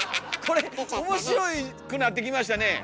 これ面白くなってきましたねえ！